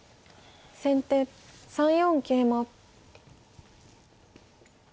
先手３四桂馬。